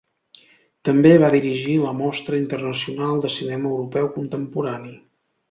També va dirigir la Mostra Internacional de Cinema Europeu Contemporani.